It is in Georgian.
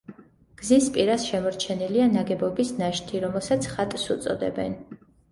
გზის პირას შემორჩენილია ნაგებობის ნაშთი, რომელსაც ხატს უწოდებენ.